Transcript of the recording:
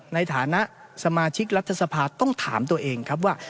ในฐานะสมาชิกรัฐสภาต้องถามตัวเองครับว่า